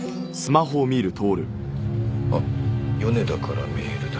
あっ米田からメールだ。